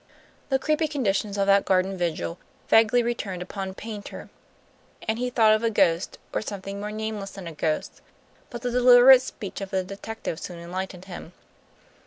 The creepy conditions of that garden vigil vaguely returned upon Paynter; and he thought of a ghost, or something more nameless than a ghost. But the deliberate speech of the detective soon enlightened him.